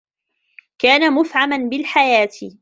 كان مفعما بالحياة.